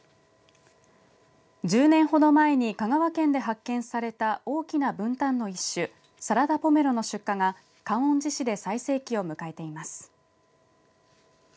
１０年ほど前に香川県で発見された大きなぶんたんの一種サラダポメロの出荷が観音寺市で最盛期を迎えています。